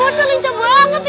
baca baca lincah banget ya